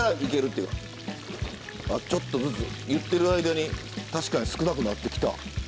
ちょっとずつ言ってる間に確かに少なくなってきた。